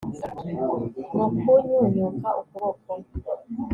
mu kunyunyuka ukuboko